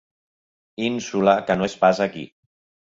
Ínsula que no és pas aquí.